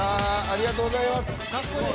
ありがとうございます。